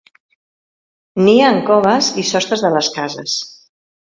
Nia en coves i sostres de les cases.